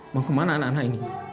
mau kemana anak anak ini